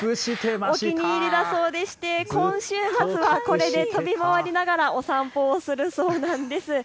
お気に入りだそうで今週末はこれで飛び周りながらお散歩するそうです。